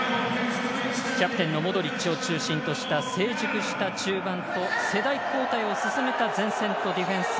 キャプテンのモドリッチを中心とした成熟した中盤と世代交代を進めた前線とディフェンス。